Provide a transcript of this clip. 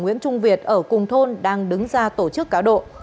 nguyễn trung việt ở cùng thôn đang đứng ra tổ chức cá độ